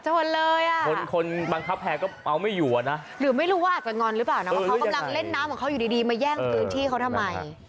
ฮไม่ต้องเล่นน้ำของเขาอยู่ดีมาแย่งอื่นที่เขาทำไม